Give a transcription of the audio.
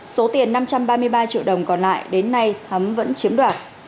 số tiền năm trăm ba mươi ba triệu đồng còn lại đến nay hắm vẫn chiếm đoạt